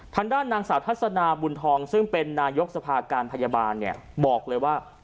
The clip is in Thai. ทางด้านนางสาวทัศนาบุญทองซึ่งเป็นนายกสภาการพยาบาลเนี่ยบอกเลยว่า